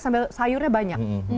sambil sayurnya banyak